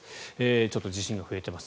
ちょっと地震が増えています。